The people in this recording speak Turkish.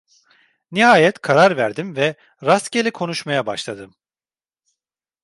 Nihayet karar verdim ve rastgele konuşmaya başladım.